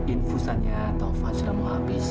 infusannya taufa sudah mau habis